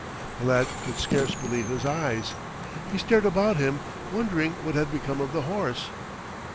The lad could scarce believe his eyes. He stared about him, wondering what had become of the horse.